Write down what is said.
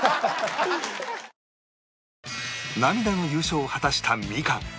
涙の優勝を果たしたみかん